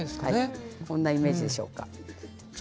そんなイメージでしょうか。